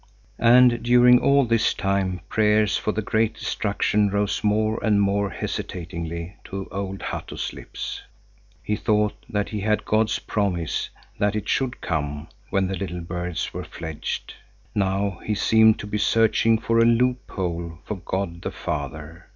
And during all this time prayers for the great destruction rose more and more hesitatingly to old Hatto's lips. He thought that he had God's promise, that it should come when the little birds were fledged. Now he seemed to be searching for a loop hole for God the Father.